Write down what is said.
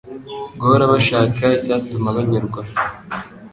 guhora bashaka icyatuma banyurwa